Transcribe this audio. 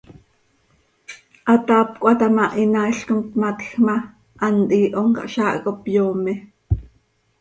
Hataap cöhata ma, hinaail com tmatj ma, hant hiihom cah zaah cop yoome.